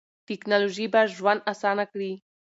ټیکنالوژي به ژوند اسانه کړي.